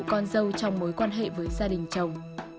con dâu trong mối quan hệ với gia đình chồng